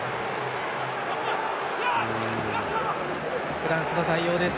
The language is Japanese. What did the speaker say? フランスの対応です。